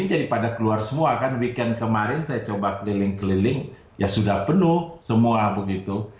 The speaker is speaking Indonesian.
jadi pada keluar semua kan weekend kemarin saya coba keliling keliling ya sudah penuh semua begitu